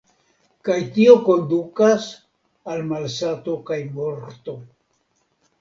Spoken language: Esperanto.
Kaj tio kondukas al malsato kaj morto.